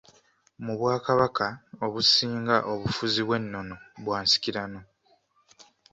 Mu bwakababaka obusinga obufuzi bw'ennono bwa nsikirano